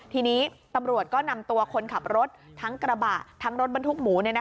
ทีนี้ตำรวจก็นำตัวคนขับรถทั้งกระบะทั้งรถบรรทุกหมู